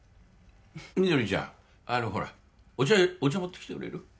みどりちゃんあのほらお茶持ってきてくれる？